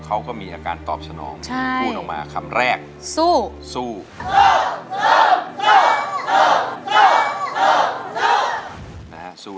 เค้าก็มีอาการตอบสนองพูดลงมาคำแรกสู้